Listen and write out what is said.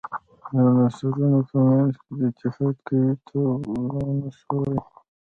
د عنصرونو په منځ کې د اتحاد قوې ته ولانس وايي.